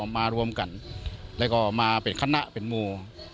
มารวมกันแล้วก็มาเป็นคณะเป็นโม